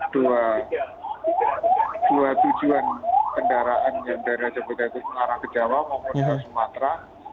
dua tujuan kendaraan yang dari raja bukit tenggara ke jawa maupun ke sumatera